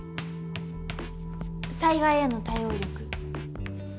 災害への対応力。